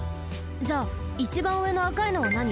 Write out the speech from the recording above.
じゃあいちばんうえのあかいのはなに？